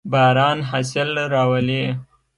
باران حاصل راولي.